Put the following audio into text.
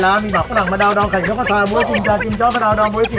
เออเดี๋ยวนะคุณลุงเวลาแรปเนี่ยใช้เวลาแบบเมื่อกี้จับเวลาไม่ถึงสามสิบวินาที